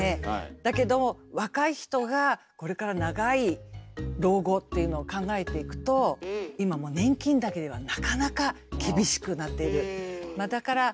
だけども若い人がこれから長い老後っていうのを考えていくと今もう年金だけではなかなか厳しくなっている。